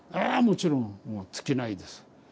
あもちろんもう尽きないです。